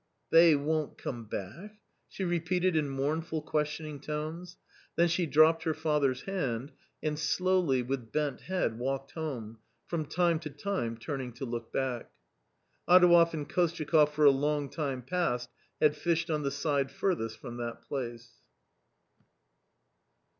" They won't — come back !" she repeated in mournful, questioning tones, then she dropped her father's hand, and slowly with bent head walked home, from time to time turning to look back. Adouev and Kostyakoff for a long time past had fished on the side furthest from that place.